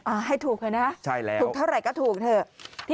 อ่าให้ถูกเลยนะถูกเท่าไหร่ก็ถูกเถอะ